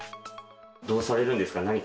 どうされるんですか？